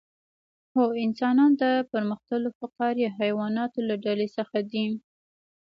هو انسانان د پرمختللو فقاریه حیواناتو له ډلې څخه دي